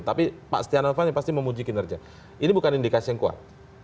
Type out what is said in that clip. tapi pak setia novanto yang pasti memuji kinerja ini bukan indikasi yang kuat